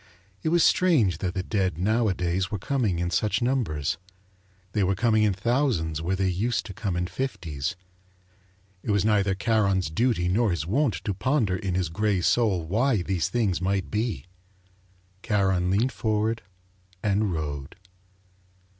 It was strange that the dead nowadays were coming in such numbers. They were coming in thousands where they used to come in fifties. It was neither Charon's duty nor his wont to ponder in his grey soul why these things might be. Charon leaned forward and rowed.